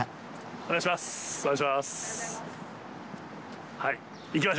お願いします。